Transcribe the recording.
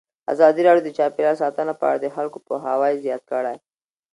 ازادي راډیو د چاپیریال ساتنه په اړه د خلکو پوهاوی زیات کړی.